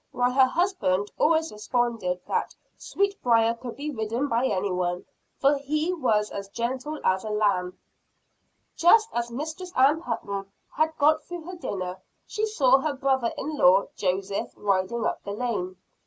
While her husband always responded that Sweetbriar could be ridden by any one, for he was as gentle as a lamb. Just as Mistress Ann Putnam had got through her dinner, she saw her brother in law Joseph riding up the lane.